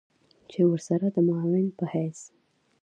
چې ورسره د معاون په حېث